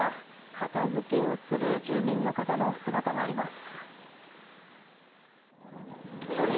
片づけをする住民の方の姿があります。